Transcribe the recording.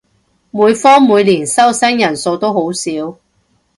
每科每年收生人數都好少